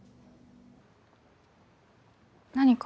何か。